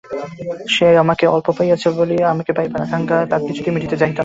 সে আমাকে অল্প পাইয়াছিল বলিয়াই আমাকে পাইবার আকাঙক্ষা তাহার কিছুতেই মিটিতে চাহিত না।